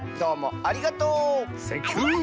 ありがとう！